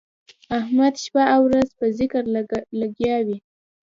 احمد شپه او ورځ په ذکر لګیا وي.